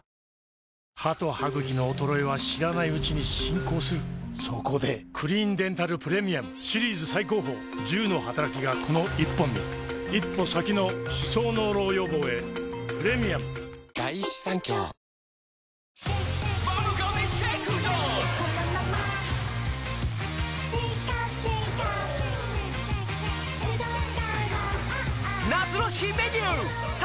歯と歯ぐきの衰えは知らないうちに進行するそこで「クリーンデンタルプレミアム」シリーズ最高峰１０のはたらきがこの１本に一歩先の歯槽膿漏予防へプレミアム新しいシートは。えっ？